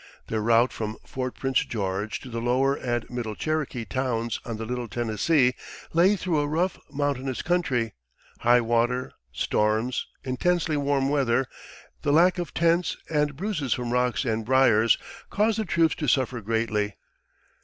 Their route from Fort Prince George to the lower and middle Cherokee towns on the Little Tennessee lay through a rough, mountainous country; high water, storms, intensely warm weather, the lack of tents, and bruises from rocks and briers, caused the troops to suffer greatly.